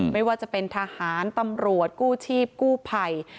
ไม่ว่าจะเป็นทหารตำรวจกู้ชีพกู้ภัย